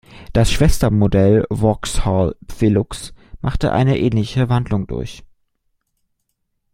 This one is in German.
Das Schwestermodell Vauxhall Velox machte eine ähnliche Wandlung durch.